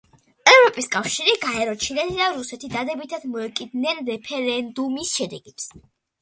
ევროპის კავშირი, გაერო, ჩინეთი და რუსეთი დადებითად მოეკიდნენ რეფერენდუმის შედეგებს.